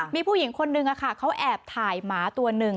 มีผู้หญิงคนนึงเขาแอบถ่ายหมาตัวหนึ่ง